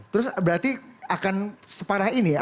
terus berarti akan separah ini ya